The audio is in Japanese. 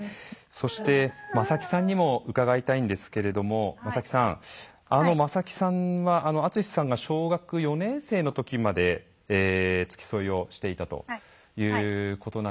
そして正木さんにも伺いたいんですけれども正木さんは篤さんが小学４年生の時まで付き添いをしていたということなんですけれども。